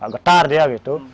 getar dia gitu